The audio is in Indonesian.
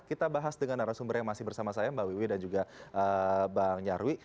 kita bahas dengan arah sumber yang masih bersama saya mbak wiwi dan juga bang nyarwi